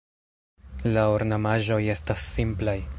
La ornamaĵoj estas simplaj.